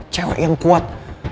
cewek yang kuat